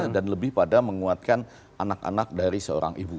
dan lebih pada menguatkan anak anak dari seorang ibu